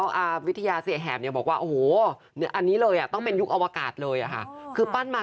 แล้วข้างหน้ามือกล้างพี่ขนาดนี้นี่